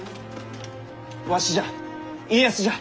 わしじゃ家康じゃ。